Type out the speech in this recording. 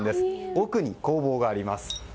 奥に工房があります。